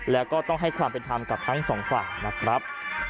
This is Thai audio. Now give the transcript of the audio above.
และให้ความเป็นทางกับทั้งสองฝ่ายนะครับ